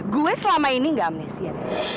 gue selama ini gak amnesia